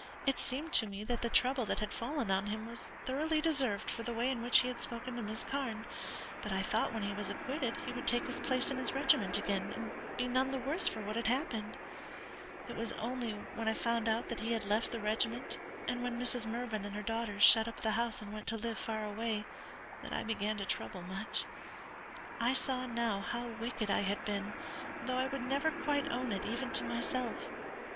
It seemed to me that the trouble that had fallen on him was thoroughly deserved for the way in which he had spoken to Miss Carne; but I thought when he was acquitted he would take his place in his regiment again, and be none the worse for what had happened. It was only when I found that he had left the regiment, and when Mrs. Mervyn and her daughters shut up the house and went to live far away, that I began to trouble much. I saw now how wicked I had been, though I would never quite own it even to myself.